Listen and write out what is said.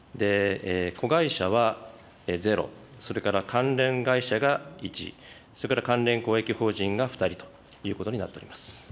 子会社は０、それから関連会社が１、それから関連公益法人が２人ということになっております。